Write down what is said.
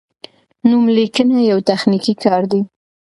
نوملیکنه یو تخنیکي کار دی.